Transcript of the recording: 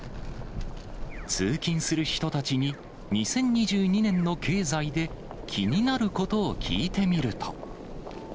通勤する人たちに、２０２２年の経済で、気になることを聞いてみると。